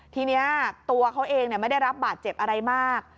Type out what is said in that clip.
ทีนี้ตัวเขาเองไม่ได้รับบาดเจ็บอะไรมาก